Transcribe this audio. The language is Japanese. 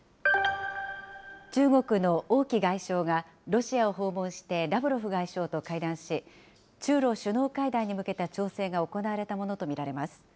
中国の王毅外相がロシアを訪問してラブロフ外相と会談し、中ロ首脳会談に向けた調整が行われたものと見られます。